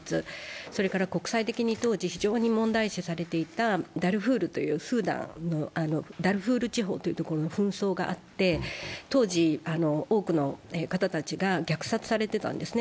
それから国際的に当時、非常に問題視されていたダルフールという、スーダンのダルフール地方の紛争があって、当時、多くの方たちが虐殺されていたんですね。